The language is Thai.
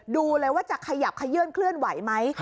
ดูเลยว่าจะขยับขยื่นเคลื่อนไหวไหม